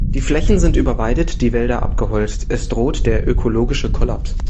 Die Flächen sind überweidet, die Wälder abgeholzt, es droht der ökologische Kollaps.